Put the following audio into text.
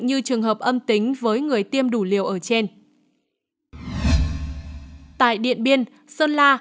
như trường hợp âm tính với người tiêm đủ liều ở trên tại điện biên sơn la